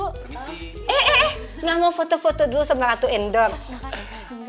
eh eh eh nggak mau foto foto dulu sama ratu endorse